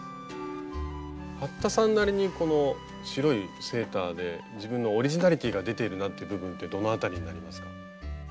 服田さんなりにこの白いセーターで自分のオリジナリティーが出ているなって部分ってどの辺りになりますか？